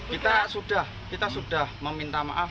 kita sudah meminta maaf